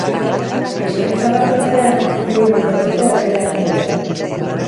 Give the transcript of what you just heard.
Eskaintza bakoitzean, bi euro igotzeko aukera egongo da.